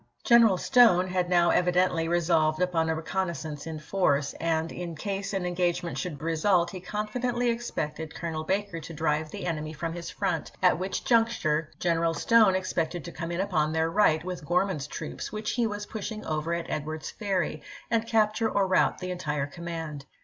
General Stone had now evi dently resolved upon a reconnaissance in force, and in case an engagement should result he confidently expected Colonel Baker to drive the enemy from his front, at which juncture General Stone expected to come in upon their right with Gorman's troops, which he was pushing over at Edwards Ferry, and capture or rout the entire command.